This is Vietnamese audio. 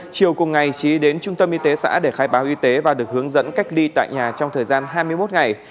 chiều cùng ngày trí đến trung tâm y tế xã để khai báo y tế và được hướng dẫn cách ly tại nhà trong thời gian hai mươi một ngày